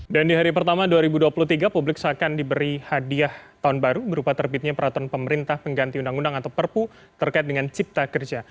dan di hari pertama dua ribu dua puluh tiga publik seakan diberi hadiah tahun baru berupa terbitnya peraturan pemerintah pengganti undang undang atau perpu terkait dengan cipta kerja